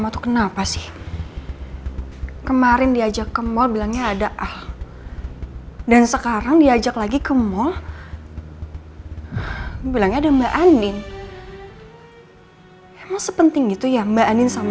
tapi gue jadi kepo deh